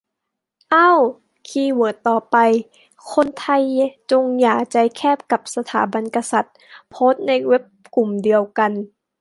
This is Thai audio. เอ้า คีย์เวิร์ดต่อไป "คนไทยจงอย่าใจแคบกับสถาบันกษัตริย์" โพสต์ในเว็บกลุ่มเดียวกัน